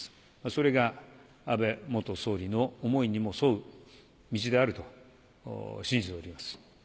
それが安倍元総理の思いにも沿う道であると信じております。